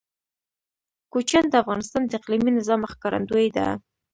کوچیان د افغانستان د اقلیمي نظام ښکارندوی ده.